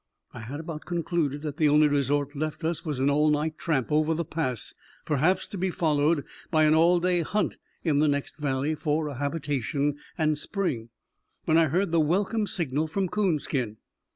I had about concluded that the only resort left us was an all night tramp over the pass, perhaps to be followed by an all day hunt in the next valley for a habitation and spring, when I heard the welcome signal from Coonskin.